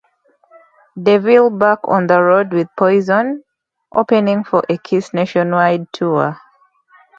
DeVille back on the road with Poison, opening for a Kiss nationwide tour.